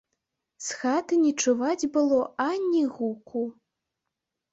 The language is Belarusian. З хаты не чуваць было ані гуку.